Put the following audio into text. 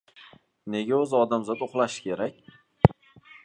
Nega oʻzi odamzod uxlashi kerak?